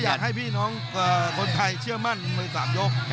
อยากให้พี่น้องคนไทยเชื่อมั่นมวย๓ยก